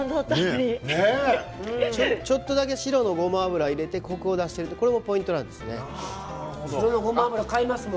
ちょっとだけ白のごま油を入れてコクを出しているところが白のごま油買いますよ